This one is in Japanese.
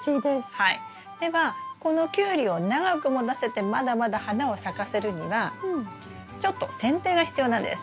ではこのキュウリを長くもたせてまだまだ花を咲かせるにはちょっと剪定が必要なんです。